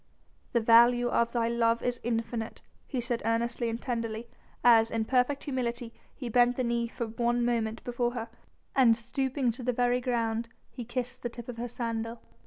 "The value of thy love is infinite," he said earnestly and tenderly as, in perfect humility, he bent the knee for one moment before her and stooping to the very ground he kissed the tip of her sandal.